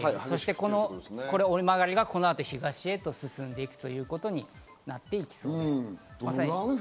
この折れ曲がりが、この後、東へ進んでいくということになっていきそうです。